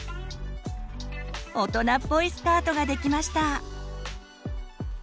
大人っぽいスカートができました。